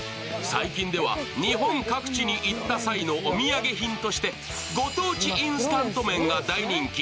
最近では日本各地に行った際のお土産品としてご当地インスタント麺が大人気。